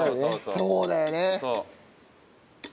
そうだよね。